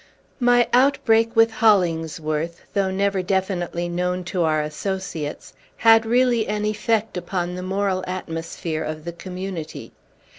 My outbreak with Hollingsworth, though never definitely known to our associates, had really an effect upon the moral atmosphere of the Community.